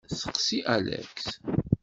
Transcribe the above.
Steqsi Alex.